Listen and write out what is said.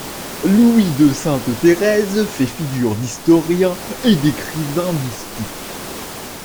Louis de Sainte-Térèse fait figure d'historien et d'écrivain mystique.